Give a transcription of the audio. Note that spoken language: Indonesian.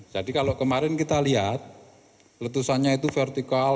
jadi kalau kemarin kita lihat letusannya itu vertikal